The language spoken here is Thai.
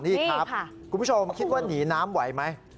นี่ครับคุณผู้ชมคิดว่าหนีน้ำไหวไหม